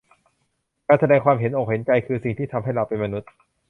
การแสดงความเห็นอกเห็นใจคือสิ่งที่ทำให้เราเป็นมนุษย์